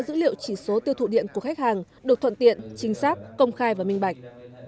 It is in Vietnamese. dữ liệu chỉ số tiêu thụ điện của khách hàng được thuận tiện chính xác công khai và minh bạch